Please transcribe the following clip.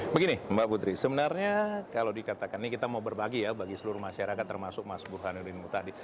begini mbak putri sebenarnya kalau dikatakan ini kita mau berbagi ya bagi seluruh masyarakat termasuk mas burhanuddin mutadi